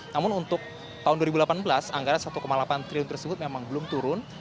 namun untuk tahun dua ribu delapan belas anggaran satu delapan triliun tersebut memang belum turun